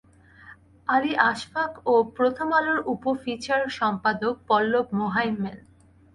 আলী আশফাক ও প্রথম আলোর উপফিচার সম্পাদক পল্লব মোহাইমেন।